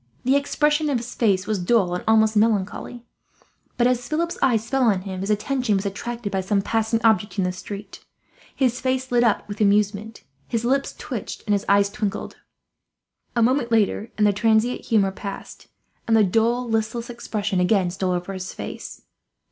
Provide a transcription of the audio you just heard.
The expression of his face was dull and almost melancholy, but as Philip's eye fell on him his attention was attracted by some passing object in the street. His face lit up with amusement. His lips twitched and his eyes twinkled. A moment later and the transient humour passed, and the dull, listless expression again stole over his face.